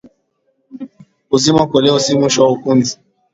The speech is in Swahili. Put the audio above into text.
Kuzima koleo si mwisho wa uhunzi